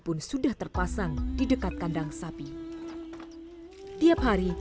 pun sudah terpasang di dekat kandang sapi tiap hari